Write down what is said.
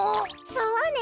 そうね